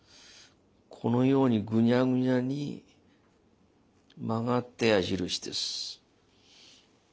このようにグニャグニャに曲がった矢印です。